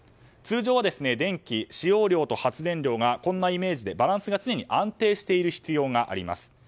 通常、電気は使用量と発電量がこんなイメージでバランスが常に安定している必要があります。